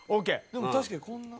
でも確かにこんな。